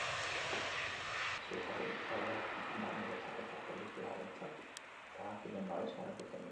Izugarri ederra da niretzat eta pelikularentzat, eta lankideen babesa erakusten du.